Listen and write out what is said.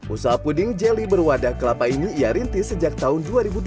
usaha puding jeli berwadah kelapa ini iarinti sejak tahun dua ribu dua puluh satu